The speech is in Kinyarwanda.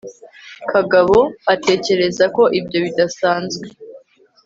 kagabo atekereza ko ibyo bidasanzwe